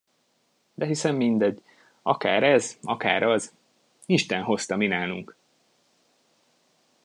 De hiszen mindegy, akár ez, akár az: isten hozta minálunk!